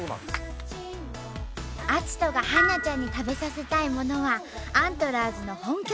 篤人が春菜ちゃんに食べさせたいものはアントラーズの本拠地